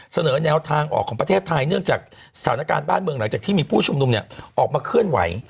เสนอแนวทางออกของประเทศไทยเนื่องจากสถานการณ์บ้านเมืองหลังจากที่มีผู้ชุมนุมเนี่ยออกมาเคลื่อนไหว